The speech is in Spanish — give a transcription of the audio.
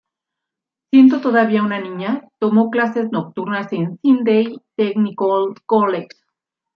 Siendo todavía una niña, tomó clases nocturnas en el Sydney Technical College.